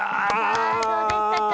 さあどうでしたか？